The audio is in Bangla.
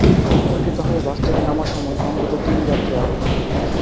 আতঙ্কিত হয়ে বাস থেকে নামার সময় অন্তত তিন যাত্রী আহত হন।